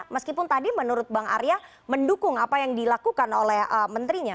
meskipun tadi menurut bang arya mendukung apa yang dilakukan oleh menterinya